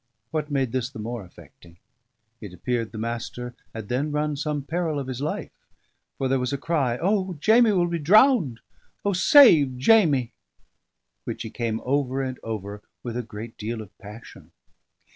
What made this the more affecting: it appeared the Master had then run some peril of his life, for there was a cry "O! Jamie will be drowned O, save Jamie!" which he came over and over with a great deal of passion.